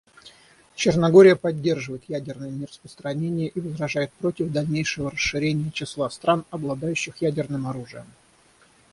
Черногория поддерживает ядерное нераспространение и возражает против дальнейшего расширения числа стран, обладающих ядерным оружием.